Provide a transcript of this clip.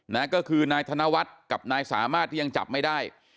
นะก็คือนายธนวัฒน์กับนายสามารถที่ยังจับไม่ได้